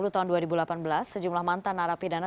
tahun dua ribu delapan belas sejumlah mantan narapidana